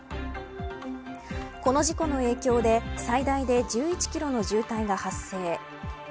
この事故の影響で最大で１１キロの渋滞が発生。